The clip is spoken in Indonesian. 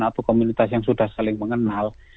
atau komunitas yang sudah saling mengenal